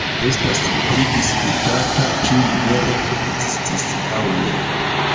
Estas pridisputata, ĉu li vere ekzistis aŭ ne.